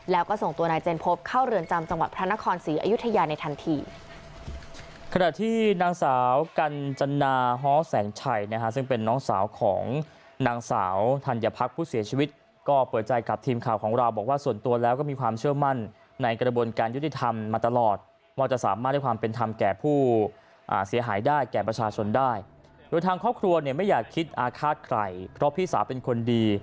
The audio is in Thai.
แล้วก็ส่งตัวนายเจนพบเข้าเรือนจำจังหวัดพระนครศรีอยุธยาในทันที